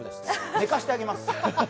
寝かせてあげます。